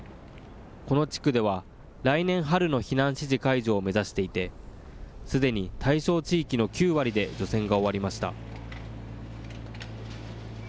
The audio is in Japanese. この地区では、来年春の避難指示解除を目指していて、すでに対象地域の９割で除染が終わりました。